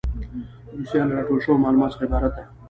دوسیه له راټول شویو معلوماتو څخه عبارت ده.